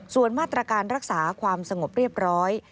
ส่วนมาตรการรักษาความสงบเรียบร้อย